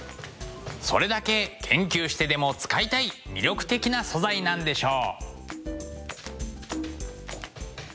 それだけ研究してでも使いたい魅力的な素材なんでしょう！